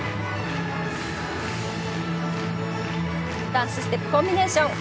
ダンスステップコンビネーション。